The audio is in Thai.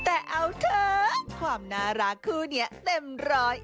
แต่เอาเถอะความน่ารักคู่นี้เต็มร้อย